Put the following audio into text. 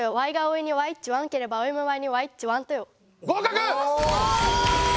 合格！